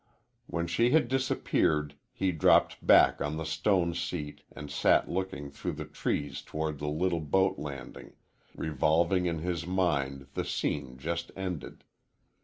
When she had disappeared he dropped back on the stone seat and sat looking through the trees toward the little boat landing, revolving in his mind the scene just ended.